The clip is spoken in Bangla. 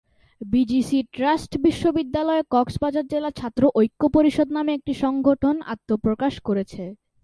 বিজিসি ট্রাস্ট বিশ্ববিদ্যালয়ে কক্সবাজার জেলা ছাত্র ঐক্য পরিষদ নামে একটি সংগঠন আত্মপ্রকাশ করেছে।